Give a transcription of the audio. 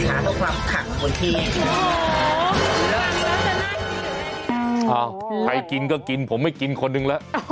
ใครกินก็กินผมไม่กินคนนึงแล้ว